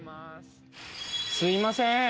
すみません。